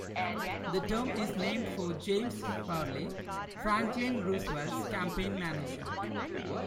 The term is named for James Farley, Franklin Roosevelt's campaign manager.